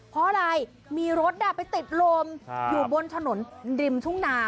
เพราะอะไรมีรถไปติดลมอยู่บนถนนริมทุ่งนา